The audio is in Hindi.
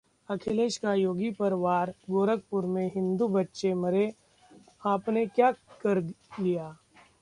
अखिलेश का योगी पर वार-गोरखपुर में हिंदू बच्चे मरे, आपने क्या कर लिया?